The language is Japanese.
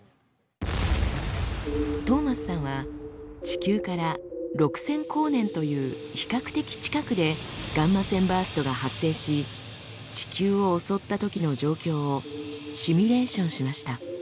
トーマスさんは地球から６，０００光年という比較的近くでガンマ線バーストが発生し地球を襲ったときの状況をシミュレーションしました。